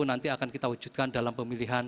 nanti akan kita wujudkan dalam pemilihan